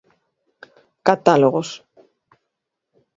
Catálogos.